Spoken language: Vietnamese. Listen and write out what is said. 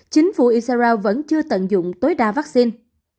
chính phủ israel vẫn chưa tận dụng tối đa vaccine